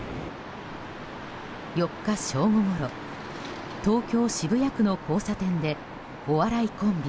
４日正午ごろ東京・渋谷区の交差点でお笑いコンビ